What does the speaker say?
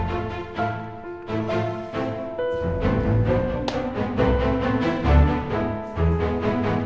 alhamdulillah syukur andin dan al sudah baikan